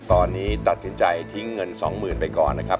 ตอนนี้ตัดสินใจทิ้งเงิน๒๐๐๐ไปก่อนนะครับ